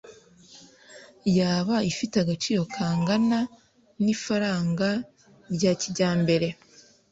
yaba ifite agaciro kangana nifaranga rya kijyambere?